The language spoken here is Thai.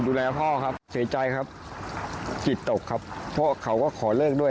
ดูแลพ่อครับเสียใจครับจิตตกครับเพราะเขาก็ขอเลิกด้วย